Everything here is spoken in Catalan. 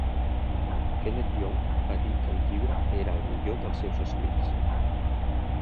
Kenneth Young va dir que el llibre era "el millor dels seus escrits".